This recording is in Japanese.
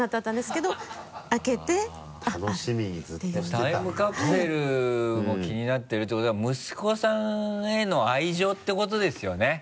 タイムカプセルも気になってるってことは息子さんへの愛情ってことですよね。